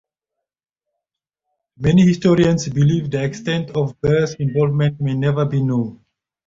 Many historians believe the extent of Burr's involvement may never be known.